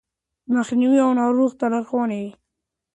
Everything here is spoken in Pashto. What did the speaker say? مخنيوی او ناروغ ته لارښوونې